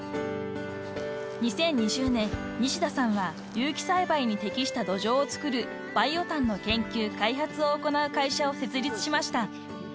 ［２０２０年西田さんは有機栽培に適した土壌を作るバイオ炭の研究開発を行う会社を設立しました］